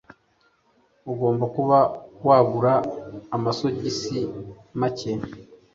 Ugomba kuba wagura amasogisi make.